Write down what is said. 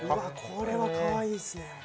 これはかわいいっすね。